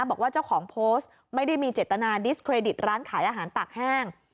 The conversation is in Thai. บอกว่าเจ้าของโพสต์ไม่ได้มีเจตนาดิสเครดิตร้านขายอาหารตากแห้ง